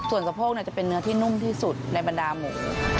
ส่วนสะโพกจะเป็นเนื้อที่นุ่มที่สุดในบรรดาหมู